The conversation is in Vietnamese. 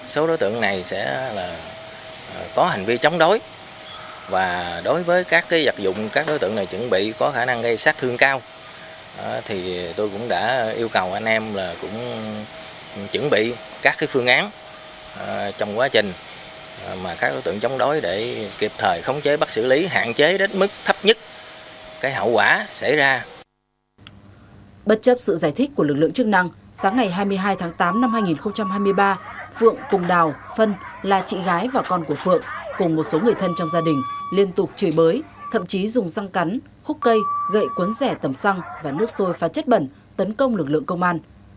sáng ngày hai mươi hai tháng tám năm hai nghìn hai mươi ba phượng cùng đào phân là chị gái và con của phượng cùng một số người thân trong gia đình liên tục chửi bới thậm chí dùng xăng cắn khúc cây gậy cuốn rẻ tẩm xăng và nước sôi phá chất bẩn tấn công lực lượng công an